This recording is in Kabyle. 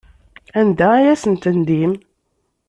Anda ay asen-tendim?